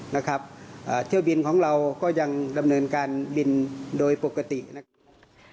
นะครับเที่ยวบินของเราก็ยังดำเนินการบินโดยปกตินะครับ